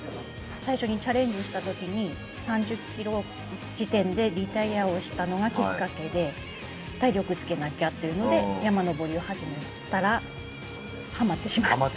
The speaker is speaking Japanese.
最初にチャレンジした時に３０ｋｍ時点でリタイアをしたのがきっかけで体力つけなきゃっていうので山登りを始めたらハマってしまった。